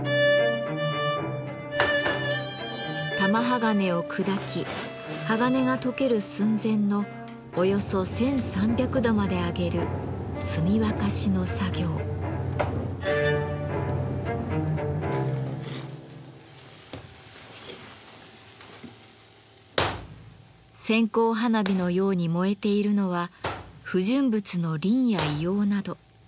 玉鋼を砕き鋼が溶ける寸前のおよそ１，３００度まで上げる線香花火のように燃えているのは不純物のリンや硫黄など。